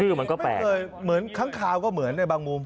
มันก็แปลกเหมือนค้างคาวก็เหมือนในบางมุม